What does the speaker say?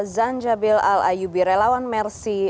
zanjabil al ayubi relawan mersi